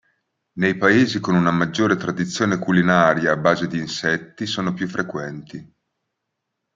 Nei paesi con una maggiore tradizione culinaria a base di insetti sono più frequenti.